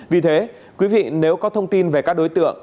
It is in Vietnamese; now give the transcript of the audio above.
vì thế quý vị nếu có thông tin về các đối tượng